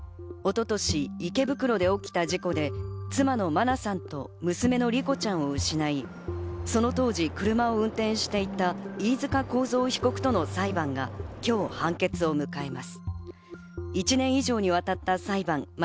一昨年、池袋で起きた事故で、妻の真菜さんと娘の莉子ちゃんを失い、その当時、車を運転していた飯塚幸三被告との裁判が今日判決を迎えます。